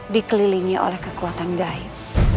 dikelilingi oleh kekuatan gaib